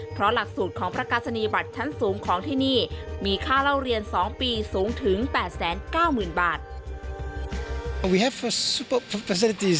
เพราะหลักสูตรของประกาศนียบัตรชั้นสูงของที่นี่มีค่าเล่าเรียน๒ปีสูงถึง๘๙๐๐๐บาท